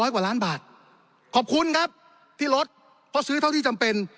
กว่าล้านบาทขอบคุณครับที่ลดเพราะซื้อเท่าที่จำเป็น